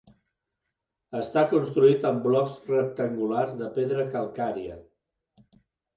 Està construït amb blocs rectangulars de pedra calcària.